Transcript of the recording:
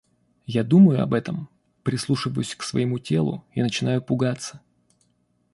Я думаю об этом, прислушиваюсь к своему телу и начинаю пугаться.